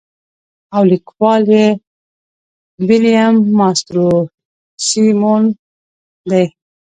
او ليکوال ئې William Mastrosimoneدے.